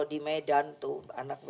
siapa pak dl